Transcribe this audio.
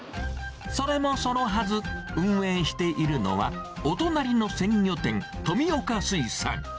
それもそのはず、運営しているのは、お隣の鮮魚店、富岡水産。